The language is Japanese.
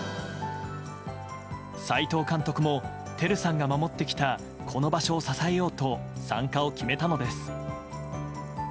斎藤監督も照さんが守ってきたこの場所を支えようと参加を決めたのです。